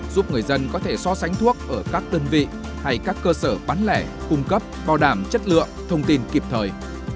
giúp người dân có thể so sánh thuốc ở các đơn vị hay các cơ sở bán lẻ cung cấp bảo đảm chất lượng thông tin kịp thời